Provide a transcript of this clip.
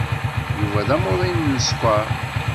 Yuba d amuḍin n sskeṛ.